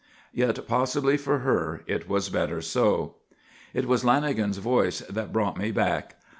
Yet possibly, for her, it was better so. It was Lanagan's voice that brought me back.